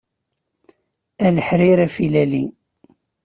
A leḥrir afilali.